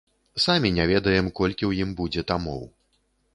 Самі не ведаем, колькі ў ім будзе тамоў.